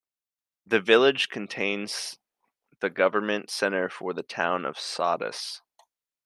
The village contains the government center for the Town of Sodus.